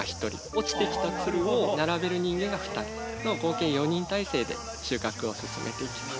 落ちてきたつるを並べる人間が２人の合計４人体制で収穫を進めていきます。